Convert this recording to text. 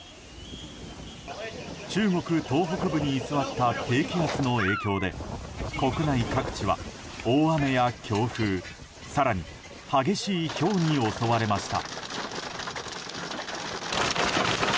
中国東北部に居座った低気圧の影響で国内各地は大雨や強風更に、激しいひょうに襲われました。